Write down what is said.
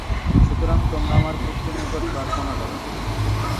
সুতরাং তোমরা আমার পুত্রের নিকট প্রার্থনা কর।